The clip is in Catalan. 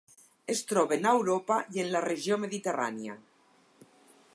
Es troben a Europa i en la regió Mediterrània.